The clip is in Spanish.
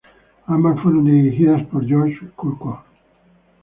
Ambas fueron dirigidas por George Cukor.